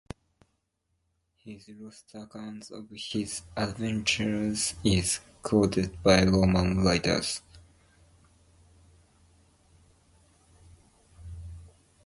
His lost account of his adventures is quoted by Roman writers.